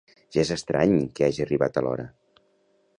Ja és estrany que hagi arribat a l'hora!